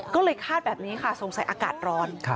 ก็เลยคาดแบบนี้ค่ะสงสัยอากาศร้อน